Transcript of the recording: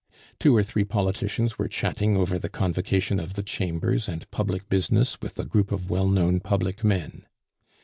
Two or three politicians were chatting over the convocation of the Chambers and public business with a group of well known public men.